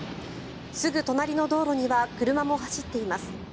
すぐ隣の道路には車も走っています。